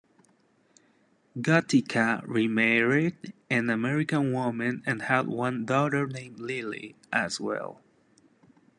Gatica remarried an American woman and had one daughter named Lily, as well.